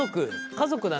家族だね。